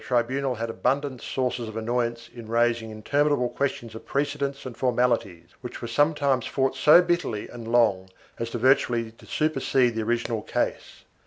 520 CONFLICTING JURISDICTIONS [Boos II tribunal had abundant sources of annoyance in raising intermin able questions of precedence and formalities, which were some times fought so bitterly and long as virtually to supersede the original case.